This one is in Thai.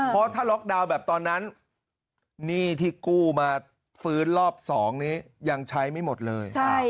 เพราะถ้าล็อกดาวน์แบบตอนนั้นหนี้ที่กู้มาฟื้นรอบ๒นี้ยังใช้ไม่หมดเลย